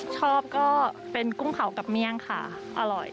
ชอบก็เป็นกุ้งเผากับเมี่ยงค่ะอร่อย